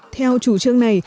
theo chủ trương này